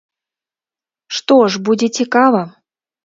Што ж, будзе цікава.